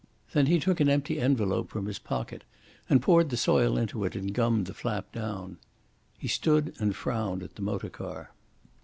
Then he took an empty envelope from his pocket and poured the soil into it and gummed the flap down. He stood and frowned at the motor car.